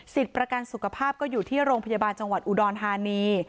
ประกันสุขภาพก็อยู่ที่โรงพยาบาลจังหวัดอุดรธานี